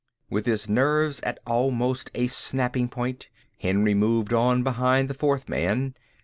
With his nerves at almost a snapping point, Henry moved on behind the fourth man.